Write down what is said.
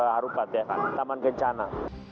harupat ya pak taman kencana